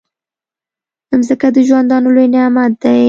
مځکه د ژوندانه لوی نعمت دی.